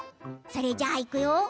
それじゃあ、いくよ！